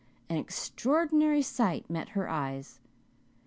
An extraordinary sight met her eyes.